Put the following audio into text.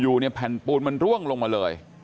อยู่เนี่ยแผ่นปูนมันร่วงลงมาเลย